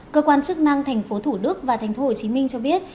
cơ quan chức năng tp thủ đức và tp hcm cho biết